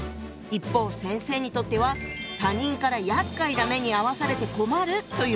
一方先生にとっては「他人からやっかいな目にあわされて困る」という意味。